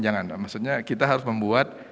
jangan maksudnya kita harus membuat